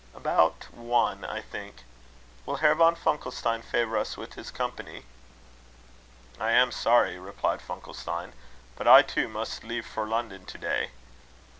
"About one, I think. Will Herr von Funkelstein favour us with his company?" "I am sorry," replied Funkelstein; "but I too must leave for London to day.